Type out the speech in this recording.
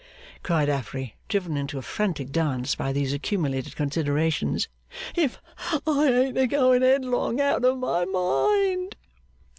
cried Affery, driven into a frantic dance by these accumulated considerations, 'if I ain't a going headlong out of my mind!